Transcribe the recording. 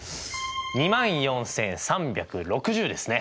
２万４，３６０ですね。